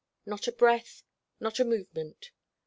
Not a breath, not a movement.